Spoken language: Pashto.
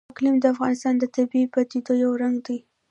اقلیم د افغانستان د طبیعي پدیدو یو رنګ دی.